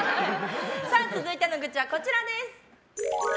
続いての愚痴はこちらです。